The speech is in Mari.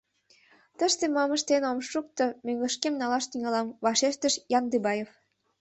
— Тыште мом ыштен ом шукто, мӧҥгышкем налаш тӱҥалам, — вашештыш Яндыбаев.